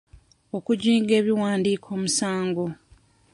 Okujinga ebiwandiiko musango.